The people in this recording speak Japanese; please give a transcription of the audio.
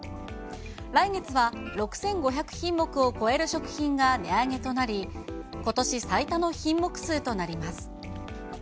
来月は６５００品目を超える食品が値上げとなり、ことし最多の品目数となります。